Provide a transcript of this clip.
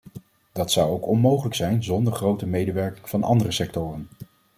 Dat zou ook onmogelijk zijn zonder grotere medewerking van andere sectoren.